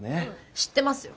知ってますよ。